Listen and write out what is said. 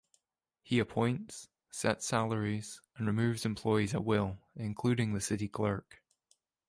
He appoints, sets salaries and removes employees at will, including the city clerk.